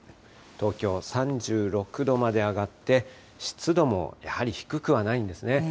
東京３６度まで上がって、湿度もやはり低くはないんですね。